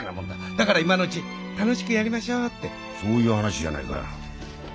だから今のうちに楽しくやりましょうってそういう話じゃないか。